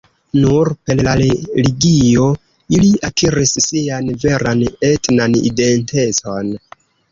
Nur per la religio ili akiris sian veran etnan identecon.